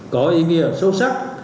có ý nghĩa sâu sắc